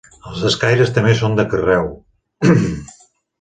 Els escaires també són de carreu.